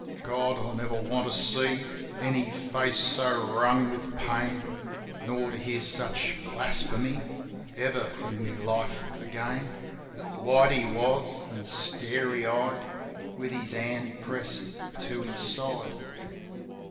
God ! I never want to see Any face so wrung with pain. Nor to hear such blasphemy Ever in my life again. White he was, an' starey eyed, With his hand pressed to his side.